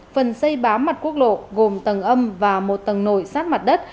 phần xây bám mặt quốc lộ gồm tầng âm và một tầng nổi sát mặt đất